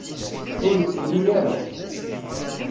Ur itelli ara.